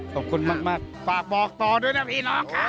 ขอบคุณมากฝากบอกต่อด้วยนะพี่น้องครับ